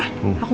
aku mau beli